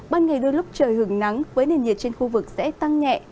ban ngày đôi lúc trời hưởng nắng với nền nhiệt trên khu vực sẽ tăng nhẹ